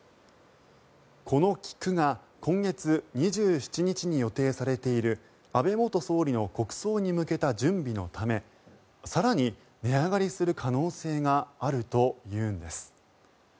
この菊が今月２７日に予定されている安倍元総理の国葬に向けた準備のため更に値上がりする可能性があるというんです。